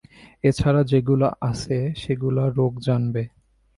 এ ছাড়া যেগুলো আসে, সেগুলো রোগ জানবে।